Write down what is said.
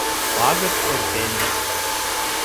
Пагыт эртен.